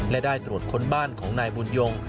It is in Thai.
และได้ตรวจค้นบ้านของนายบุญยง